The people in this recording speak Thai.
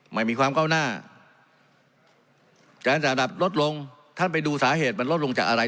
ไม่มีความก้าวหน้าการจัดอันดับลดลงท่านไปดูสาเหตุมันลดลงจากอะไร